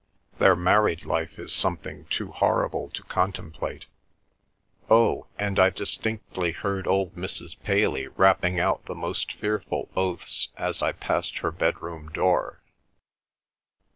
Their married life is something too horrible to contemplate. Oh, and I distinctly heard old Mrs. Paley rapping out the most fearful oaths as I passed her bedroom door.